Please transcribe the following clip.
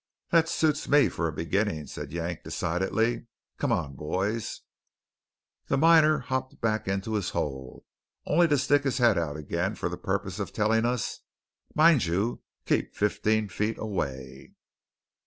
"That suits me for a beginning," said Yank decidedly. "Come on, boys!" The miner hopped back into his hole, only to stick his head out again for the purpose of telling us: "Mind you keep fifteen feet away!"